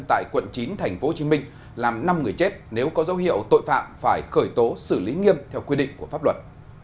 tại quận chín tp hcm làm năm người chết nếu có dấu hiệu tội phạm phải khởi tố xử lý nghiêm theo quy định của pháp luật